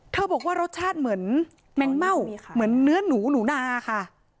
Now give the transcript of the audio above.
บอกว่ารสชาติเหมือนแมงเม่าเหมือนเนื้อหนูหนูนาค่ะ